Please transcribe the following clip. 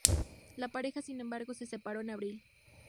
La pareja sin embargo se separó en abril.